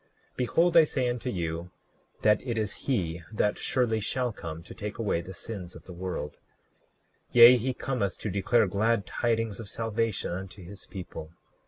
Behold, I say unto you, that it is he that surely shall come to take away the sins of the world; yea, he cometh to declare glad tidings of salvation unto his people.